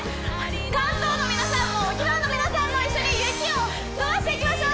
関東の皆さんも沖縄の皆さんも一緒に雪をとばしていきましょう！